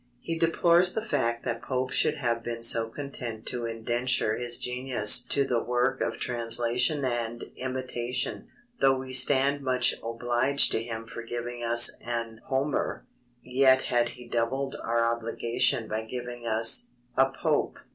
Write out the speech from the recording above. He deplores the fact that Pope should have been so content to indenture his genius to the work of translation and imitation: Though we stand much obliged to him for giving us an Homer, yet had he doubled our obligation by giving us a Pope.